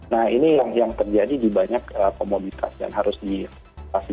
nah ini yang terjadi di banyak komoditas dan harus dikasih